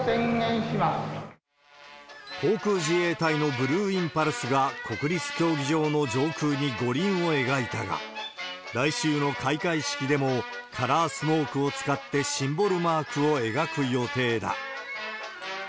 航空自衛隊のブルーインパルスが国立競技場の上空に五輪を描いたが、来週の開会式でもカラースモークを使ってシンボルマークを描く予定だ。